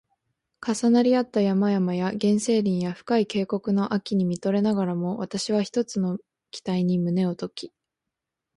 重なり合った山々や原生林や深い渓谷の秋に見とれながらも、わたしは一つの期待に胸をとき